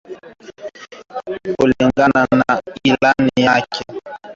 Kulingana na ilani yake